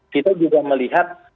kita juga melihat